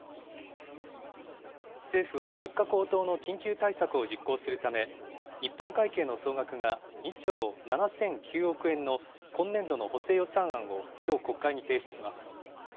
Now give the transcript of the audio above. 政府は、物価高騰の緊急対策を実行するため、一般会計の総額が２兆７００９億円の今年度の補正予算案をきょう国会に提出します。